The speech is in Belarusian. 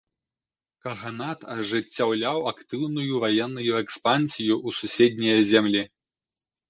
Каганат ажыццяўляў актыўную ваенную экспансію ў суседнія землі.